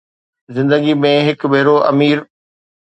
زندگي ۾ هڪ ڀيرو امير